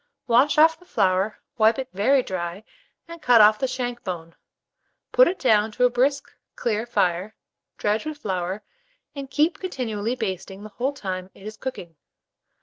Wash off the flour, wipe it very dry, and cut off the shank bone; put it down to a brisk clear fire, dredge with flour, and keep continually basting the whole time it is cooking.